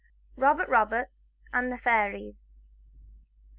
ROBERT ROBERTS AND THE FAIRIES.